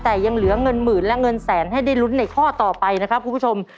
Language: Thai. แต่ยังเหลือเงินหมื่นและเงินแสนให้ได้ลุ้นในข้อต่อไปนะครับคุณผู้ชม